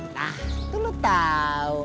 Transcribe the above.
nah itu lo tau